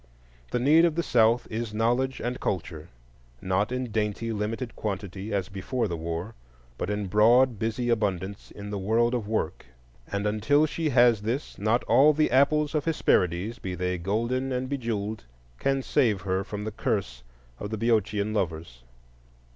The need of the South is knowledge and culture,—not in dainty limited quantity, as before the war, but in broad busy abundance in the world of work; and until she has this, not all the Apples of Hesperides, be they golden and bejewelled, can save her from the curse of the Boeotian lovers.